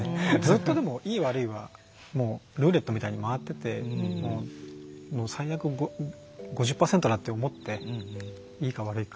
いい悪いはルーレットみたいに回ってて最悪、５０％だって思っていいか悪いか。